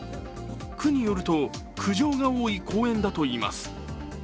区によると、苦情が多い公園だといいます。